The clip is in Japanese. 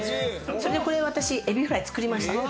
それで、これ私エビフライ作りました。